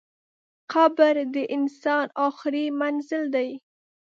قبر د انسان اخري منزل دئ.